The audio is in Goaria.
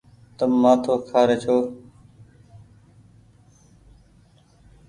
تم مآٿو کآري ڇو۔